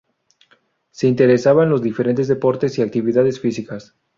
Se interesa en los diferentes deportes y actividades físicas.